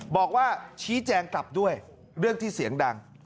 บอกว่าชี้แจงกลับด้วยเรื่องที่เสียงดัง